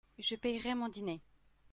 Je paierai mon dîner.